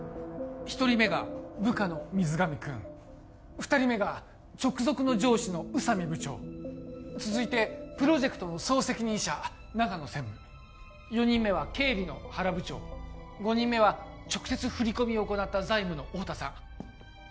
１人目が部下の水上くん２人目が直属の上司の宇佐美部長続いてプロジェクトの総責任者長野専務４人目は経理の原部長５人目は直接振り込みを行った財務の太田さん